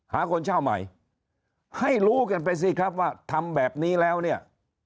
หาคนเช่าใหม่ให้รู้กันไปสิครับว่าทำแบบนี้แล้วเนี่ย